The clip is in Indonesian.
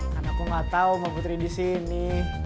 kan aku gak tau mbak putri disini